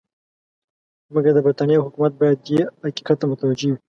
مګر د برټانیې حکومت باید دې حقیقت ته متوجه وي.